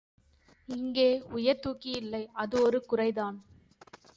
இங்கே உயர் தூக்கி இல்லை அது ஒரு குறைதான்.